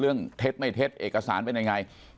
เท็จไม่เท็จเอกสารเป็นยังไง